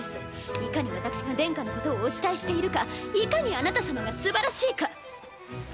いかに私が殿下のことをお慕いしているかいかにあなた様がすばらしいか。